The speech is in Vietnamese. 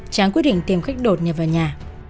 cháng quyết định tìm khách đột nhập vào nhà